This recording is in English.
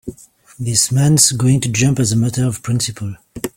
This man's going to jump as a matter of principle.